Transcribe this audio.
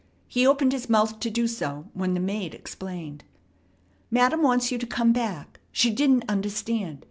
He opened his mouth to do so when the maid explained. "Madam wants you to come back. She didn't understand.